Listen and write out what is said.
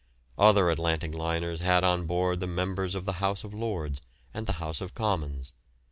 Other Atlantic liners had on board the members of the House of Lords and the House of Commons.